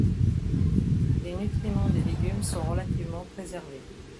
Les nutriments des légumes sont relativement préservés.